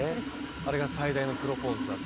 あれが最大のプロポーズだって。